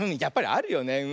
やっぱりあるよね。